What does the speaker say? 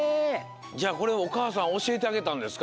じゃあこれおかあさんおしえてあげたんですか？